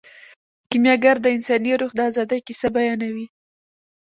کیمیاګر د انساني روح د ازادۍ کیسه بیانوي.